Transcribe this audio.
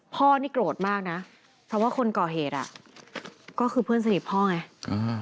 พ่อนี่โกรธมากนะเพราะว่าคนก่อเหตุอ่ะก็คือเพื่อนสนิทพ่อไงอ่า